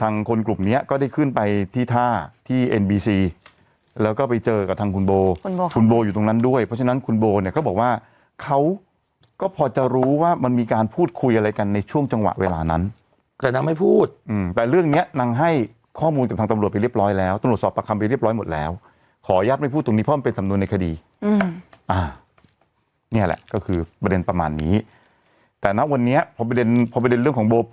ทางคนกลุ่มเนี้ยก็ได้ขึ้นไปที่ท่าที่เอ็นบีซีแล้วก็ไปเจอกับทางคุณโบคุณโบค่ะคุณโบอยู่ตรงนั้นด้วยเพราะฉะนั้นคุณโบเนี้ยก็บอกว่าเขาก็พอจะรู้ว่ามันมีการพูดคุยอะไรกันในช่วงจังหวะเวลานั้นแต่นางไม่พูดอืมแต่เรื่องเนี้ยนางให้ข้อมูลกับทางตำรวจไปเรียบร้อยแล้วตำรวจสอบประคำไปเรียบร